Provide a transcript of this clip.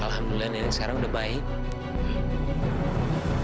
alhamdulillah nih sekarang udah baik